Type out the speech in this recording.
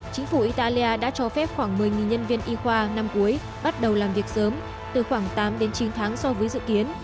chính phủ italia đã cho phép khoảng một mươi nhân viên y khoa năm cuối bắt đầu làm việc sớm từ khoảng tám đến chín tháng so với dự kiến